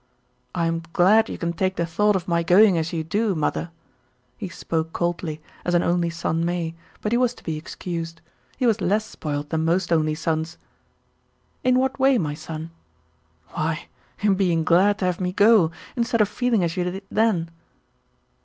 "I'm glad you can take the thought of my going as you do, mother." He spoke coldly, as an only son may, but he was to be excused. He was less spoiled than most only sons. "In what way, my son?" "Why in being glad to have me go instead of feeling as you did then."